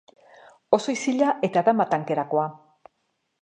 Oso isila eta dama tankerakoa.